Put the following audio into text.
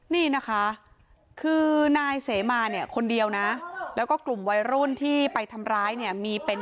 นี่นะคะคือนายเสมาเนี่ยคนเดียวนะแล้วก็กลุ่มวัยรุ่นที่ไปทำร้ายเนี่ยมีเป็น